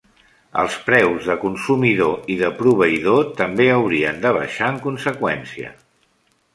Els preus de consumidor i de proveïdor també haurien de baixar en conseqüència.